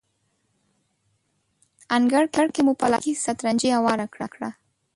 انګړ کې مو پلاستیکي سترنجۍ هواره کړه.